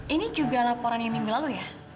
ini juga laporan yang minggu lalu ya